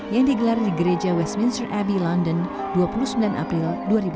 yang digelar di gereja westminster abbey london dua puluh sembilan april dua ribu dua puluh